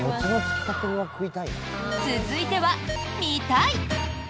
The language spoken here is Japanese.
続いては、「見たい」。